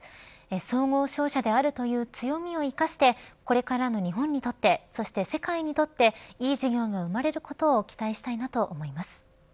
総合商社であるという強みを生かしてこれからの日本にとってそして、世界にとっていい事業が生まれることを期待したいなと思います。